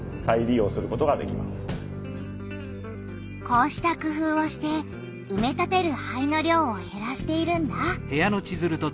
こうした工夫をしてうめ立てる灰の量をへらしているんだ。